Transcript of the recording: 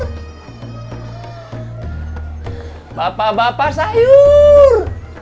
hai bapak bapak sayur